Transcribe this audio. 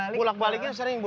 ini bulat baliknya sering bu